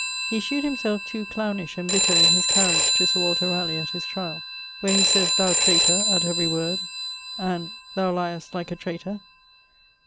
He shewed himselfe too clownish and bitter in his carriage to Sir Walter Ralegh at his triall, where he sayes 'Thou traytor,' at every word, and 'thou lyest like a traytor.'